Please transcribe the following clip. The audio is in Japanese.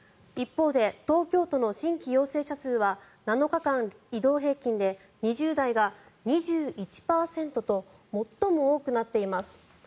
一方で、東京都の新規陽性者数は７日間移動平均で２０代が２１％と最も多くなっています。